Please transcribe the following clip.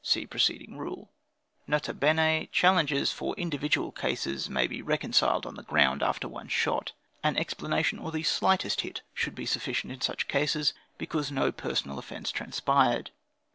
(See preceding rule.) "N.B. Challenges for individual causes, may be reconciled on the ground, after one shot. An explanation, or the slightest hit should be sufficient in such cases, because no personal offence transpired.